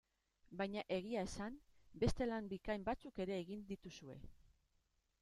Baina egia esan, beste lan bikain batzuk ere egin dituzue.